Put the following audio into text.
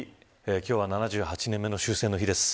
今日は７８年目の終戦の日です。